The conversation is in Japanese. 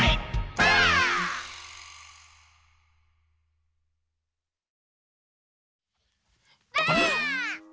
ばあっ！